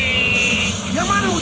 tidak masuk akal